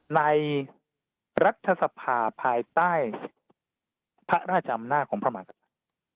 ในรัฐสภาภายใต้พระราชอำนาจของพระมหากษัตริย์